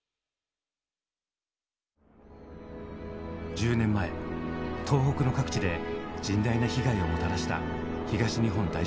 １０年前東北の各地で甚大な被害をもたらした東日本大震災。